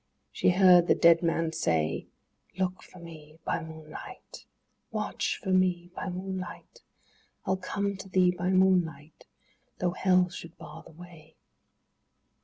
She heard the dead man say— Look for me by moonlight; Watch for me by moonlight; I'll come to thee by moonlight, though hell should bar the way!